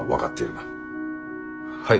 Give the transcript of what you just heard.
はい。